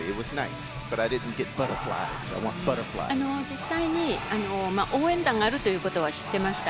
実際に、応援団があるということは知ってました。